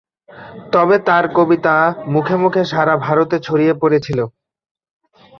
তবে তাঁর কবিতা মুখে মুখে সারা ভারতে ছড়িয়ে পড়েছিল।